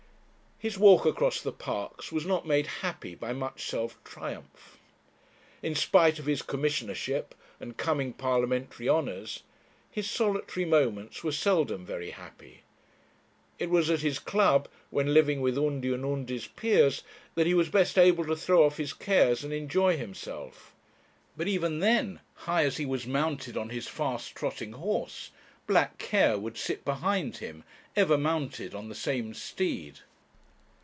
His walk across the Parks was not made happy by much self triumph. In spite of his commissionership and coming parliamentary honours, his solitary moments were seldom very happy. It was at his club, when living with Undy and Undy's peers, that he was best able to throw off his cares and enjoy himself. But even then, high as he was mounted on his fast trotting horse, black Care would sit behind him, ever mounted on the same steed.